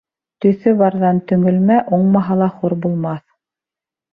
Төҫө барҙан төңөлмә, уңмаһа ла хур булмаҫ.